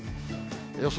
予想